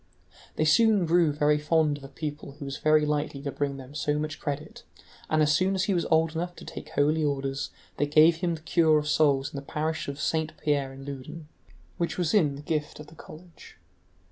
They soon grew very fond of a pupil who was likely to bring them so much credit, and as soon as he was old enough to take holy orders they gave him the cure of souls in the parish of Saint Pierre in Loudun, which was in the gift of the college.